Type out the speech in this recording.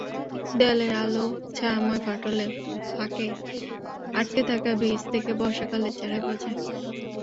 দেয়ালের আলো-ছায়াময় ফাটলে, ফাঁকে আটকে থাকা বীজ থেকে বর্ষাকালে চারা গজায়।